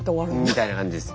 みたいな感じですね。